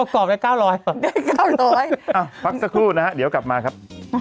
กรอบได้เก้าร้อยเก้าร้อยอ่ะพักสักครู่นะฮะเดี๋ยวกลับมาครับ